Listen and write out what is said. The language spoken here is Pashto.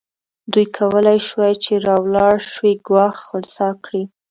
دوی کولای شوای چې راولاړ شوی ګواښ خنثی کړي.